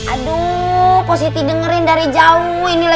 aduh positi dengerin darijauh ini lah